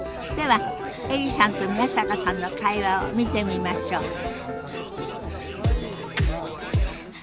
ではエリさんと宮坂さんの会話を見てみましょう。